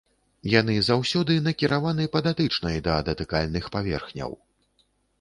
Яны заўсёды накіраваны па датычнай да датыкальных паверхняў.